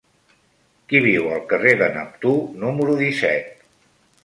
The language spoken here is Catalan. Qui viu al carrer de Neptú número disset?